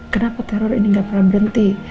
kenapa teror ini nggak pernah berhenti